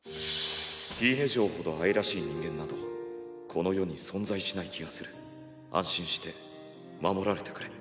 フィーネ嬢ほど愛らしい人間などこの世に存在しない気がする安心して守られてくれ